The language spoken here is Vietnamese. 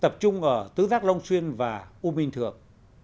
tập trung ở tứ giác long xuyên và u minh thượng